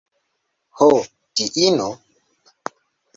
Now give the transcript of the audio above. Ho, diino!